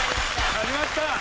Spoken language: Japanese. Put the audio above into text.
始まった！